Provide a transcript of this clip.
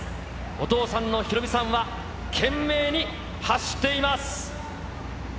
お父さんのヒロミさんは、懸命に走っています。